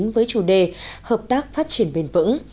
với chủ đề hợp tác phát triển bền vững